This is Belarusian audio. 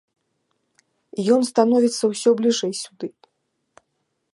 Ён становіцца ўсё бліжэй сюды.